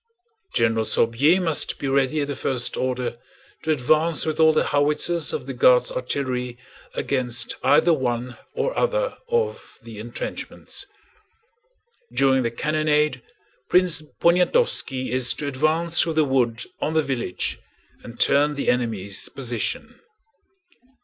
General Sorbier must be ready at the first order to advance with all the howitzers of the Guard's artillery against either one or other of the entrenchments. During the cannonade Prince Poniatowski is to advance through the wood on the village and turn the enemy's position.